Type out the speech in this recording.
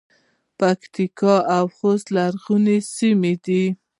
پکتیا او خوست لرغونې سیمې دي